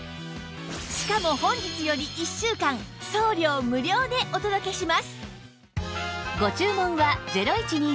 しかも本日より１週間送料無料でお届けします